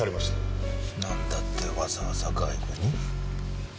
なんだってわざわざ外部に？